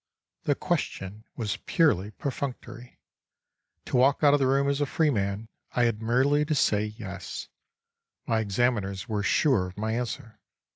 The question was purely perfunctory. To walk out of the room a free man I had merely to say yes. My examiners were sure of my answer.